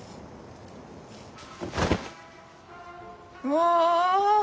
わあ